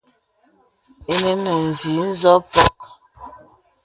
Ìnə nə̀ inzì nzo mpɔk.